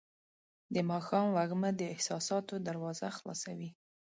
د ماښام وږمه د احساساتو دروازه خلاصوي.